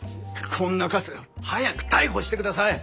こんなカス早く逮捕して下さい。